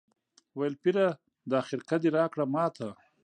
ویل پیره دا خرقه دي راکړه ماته